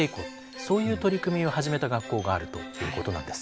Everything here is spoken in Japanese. そういう取り組みを始めた学校があるということなんです。